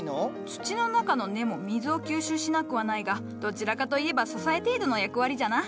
土の中の根も水を吸収しなくはないがどちらかと言えば支え程度の役割じゃな。